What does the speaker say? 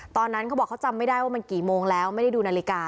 เขาบอกเขาจำไม่ได้ว่ามันกี่โมงแล้วไม่ได้ดูนาฬิกา